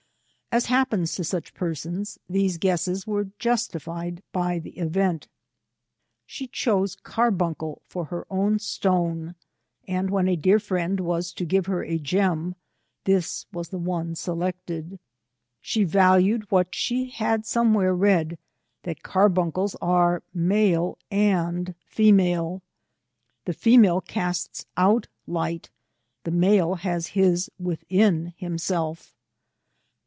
As happens to such persons, these guesses were justified by the event. She chose carbuncle for her own stone, and when a dear friend was to give her a gem, this was the one selected. She valued what she had somewhere read, that car buncles are male and female. The female casts out light, the male has his within himself.